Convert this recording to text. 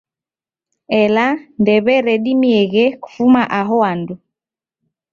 Ela ndew'eredimieghe kufuma aho andu.